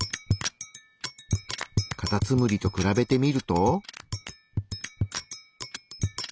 カタツムリと比べてみると。